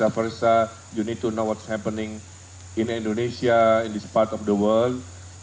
anda perlu tahu apa yang terjadi di indonesia di bagian dunia ini